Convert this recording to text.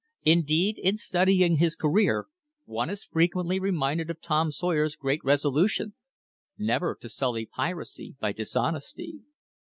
Indeed, in studying his career, one is frequently reminded of Tom Sawyer's great resolution never to sully piracy by dishonesty!